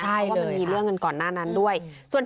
ใช่ว่ามันมีเรื่องกันก่อนหน้านั้นด้วย